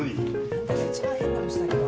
あんたが一番変な虫だけど。